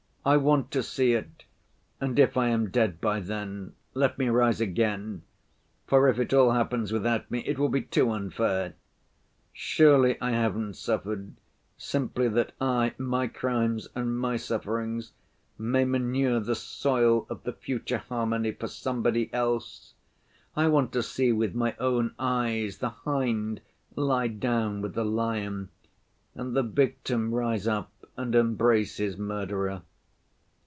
I want to see it, and if I am dead by then, let me rise again, for if it all happens without me, it will be too unfair. Surely I haven't suffered, simply that I, my crimes and my sufferings, may manure the soil of the future harmony for somebody else. I want to see with my own eyes the hind lie down with the lion and the victim rise up and embrace his murderer.